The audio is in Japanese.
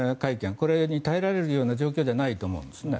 これに耐えられるような状況じゃないと思います。